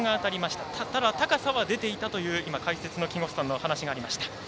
ただ、高さは出ていたという解説の木越さんのお話がありました。